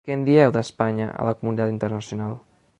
Què en dieu, d’Espanya a la comunitat internacional?